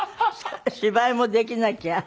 「芝居もできなきゃ」